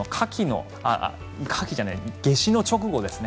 夏至の直後ですね。